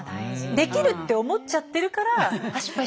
できるって思っちゃってるからあっ